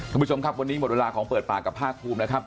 คุณผู้ชมครับวันนี้หมดเวลาของเปิดปากกับภาคภูมินะครับ